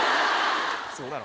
そうだろ？